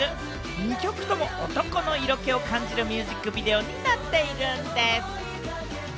２曲とも男の色気を感じるミュージックビデオになっているんでぃす。